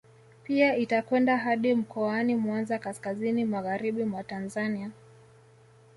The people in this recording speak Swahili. Pia itakwenda hadi mkoani Mwanza kaskazini magharibi mwa Tanzania